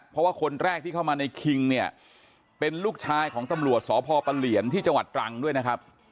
เพราะว่าคนแรกที่เข้ามาในคิงเนี่ยเป็นลูกชายของตำรวจสพปะเหลียนที่จังหวัดตรังด้วยนะครับ